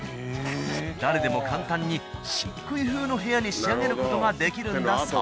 誰でも簡単にしっくい風の部屋に仕上げる事ができるんだそう。